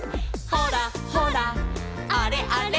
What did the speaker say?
「ほらほらあれあれ」